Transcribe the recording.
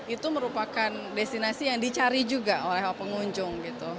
itu merupakan destinasi yang dicari juga oleh pengunjung